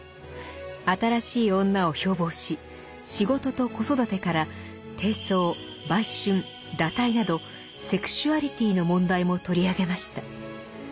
「新しい女」を標榜し仕事と子育てから貞操売春堕胎などセクシュアリティの問題も取り上げました。